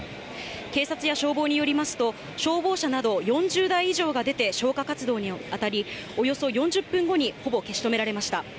警察や消防によりますと、消防車など４０台以上が出て、消火活動に当たり、およそ４０分後にほぼ消し止められました。